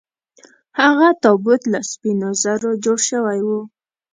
هغه تابوت له سپینو زرو جوړ شوی و.